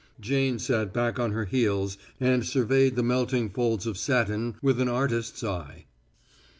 Jane sat back on her heels and surveyed the melting folds of satin with an artist's eye.